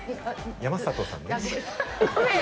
山里さんね。